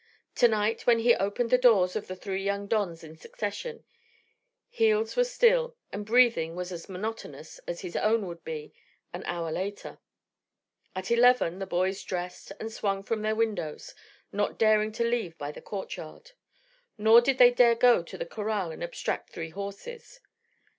To night, when he opened the doors of the three young dons in succession, heels were still, and breathing was as monotonous as his own would be an hour later. At eleven the boys dressed and swung from their windows, not daring to leave by the courtyard. Nor did they dare go to the corral and abstract three horses.